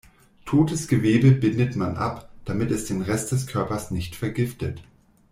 Totes Gewebe bindet man ab, damit es den Rest des Körpers nicht vergiftet.